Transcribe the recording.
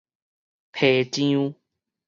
皮癢